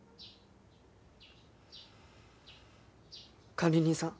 管理人さん。